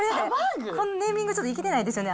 このネーミング、ちょっといけてないですよね。